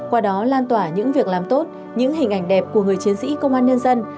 qua đó lan tỏa những việc làm tốt những hình ảnh đẹp của người chiến sĩ công an nhân dân